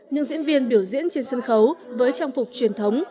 những diễn viên biểu diễn trên sân khấu với trang phục truyền thống